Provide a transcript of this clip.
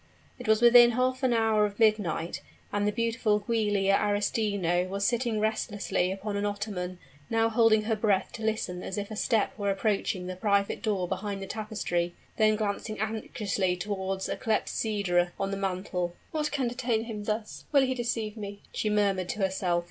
It was within half an hour of midnight, and the beautiful Giulia Arestino was sitting restlessly upon an ottoman, now holding her breath to listen if a step were approaching the private door behind the tapestry then glancing anxiously toward a clepsydra on the mantel. "What can detain him thus? will he deceive me?" she murmured to herself.